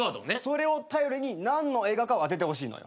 それを頼りに何の映画かを当ててほしいのよ。